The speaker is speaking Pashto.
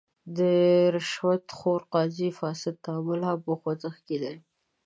د رشوت خور قاضي فاسد تعامل هم په خوځښت کې دی.